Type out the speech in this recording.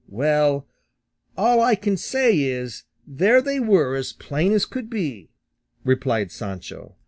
"Well, all I can say is there they were as plain as could be," replied Sancho.